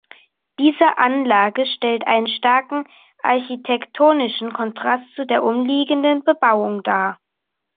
Diese Anlage stellt einen starken architektonischen Kontrast zu der umliegenden Bebauung dar.